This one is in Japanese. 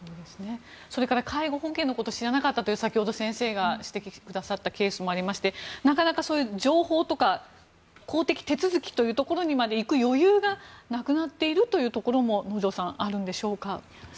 それから介護保険のことを知らなかったという先ほど先生が指摘してくださったケースもあってなかなか情報とか公的手続きにまで行く余裕がなくなっているというところもあるんでしょうか。